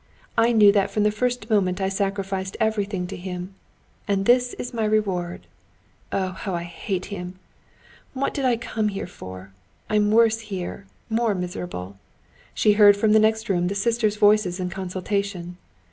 I knew that from the first moment I sacrificed everything to him. And this is my reward! Oh, how I hate him! And what did I come here for? I'm worse here, more miserable." She heard from the next room the sisters' voices in consultation.